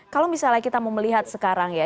kalau misalnya kita mau melihat sekarang ya